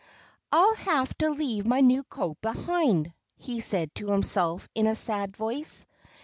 "I'll have to leave my new coat behind," he said to himself in a sad voice.